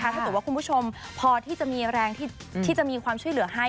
ถ้าเกิดว่าคุณผู้ชมพอที่จะมีแรงที่จะมีความช่วยเหลือให้